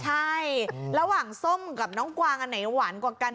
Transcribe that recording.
ใช่ระหว่างส้มกับน้องกวางอันไหนหวานกว่ากัน